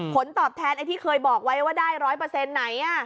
ผลตอบแทนไอ้ที่เคยบอกไว้ว่าได้๑๐๐ไหน